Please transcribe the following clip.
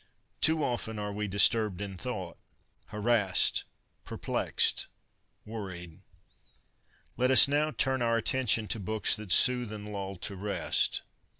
Too often are we disturbed in thought — harassed, perplexed, worried. Let us now turn our attention to books that soothe and lull to rest.